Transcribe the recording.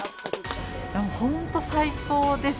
本当最高です。